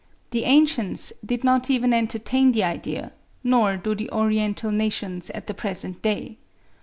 The ancients did not even entertain the idea, nor do the Oriental nations at the present day.